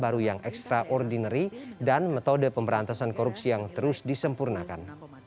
baru yang ekstraordinary dan metode pemberantasan korupsi yang terus disempurnakan